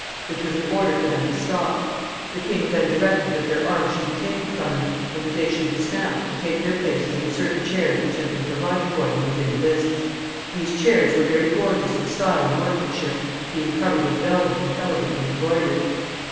which was an order for them to stop. The king then directed that their arms should be taken from them, and that they should dismount, and take their places in certain chairs which had been provided for them within the lists. These chairs were very gorgeous in style and workmanship, being covered with velvet, and elegantly embroidered.